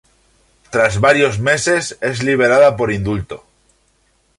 Tras varios meses es liberada por indulto.